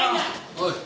おい。